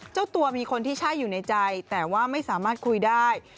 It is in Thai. เจ้าตัวมีคนที่ใช่อยู่ในใจแต่ว่าไม่สามารถคุยได้